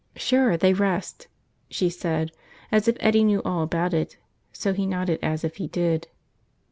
"Sure, they rust," she said as if Eddie knew all about it; so he nodded as if he did.